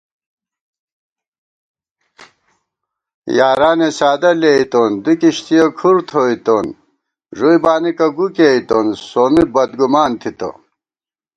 یارانےسادہ لېئیتون دُو کِشتِیَہ کھُر تھوئیتوں ݫُوئی بانېکہ گُو کېئیتون سومی بدگُمان تھِتہ